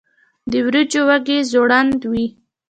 د وریجو وږی ځوړند وي.